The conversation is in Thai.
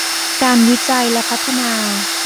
การวิจัยและพัฒนา